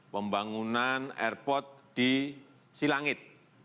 pembangunan airport di silangit